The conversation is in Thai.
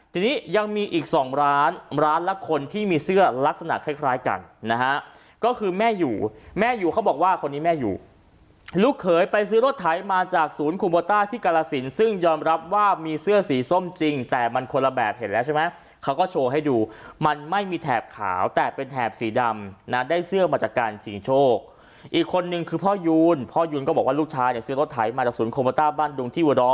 ทีนี้ยังมีอีก๒ร้านร้านละคนที่มีเสื้อลักษณะคล้ายกันนะฮะก็คือแม่อยู่แม่อยู่เขาบอกว่าคนนี้แม่อยู่ลูกเขยไปซื้อรถไถมาจากศูนย์คูมโบต้าที่กาลสินซึ่งยอมรับว่ามีเสื้อสีส้มจริงแต่มันคนละแบบเห็นแล้วใช่ไหมเขาก็โชว์ให้ดูมันไม่มีแถบขาวแต่เป็นแถบสีดำนะได้เสื้อมาจากการสิ่งโช